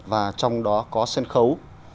và trong đó có sân khấu